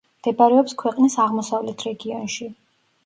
მდებარეობს ქვეყნის აღმოსავლეთ რეგიონში.